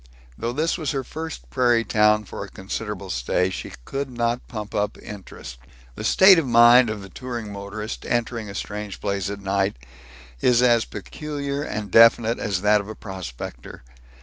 Though this was her first prairie town for a considerable stay, she could not pump up interest. The state of mind of the touring motorist entering a strange place at night is as peculiar and definite as that of a prospector.